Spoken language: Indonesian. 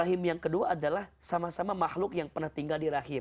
rahim yang kedua adalah sama sama makhluk yang pernah tinggal di rahim